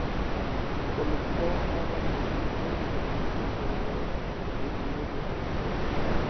Por lo que cada tabla almacena todos los atributos heredados y definidos localmente.